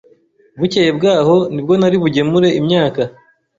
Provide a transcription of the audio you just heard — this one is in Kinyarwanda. Bukeye bwaho nibwo nari bugemure imyaka